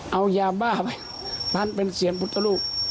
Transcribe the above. เอายาบ้าไปมันเป็นเสียงพุทธรูป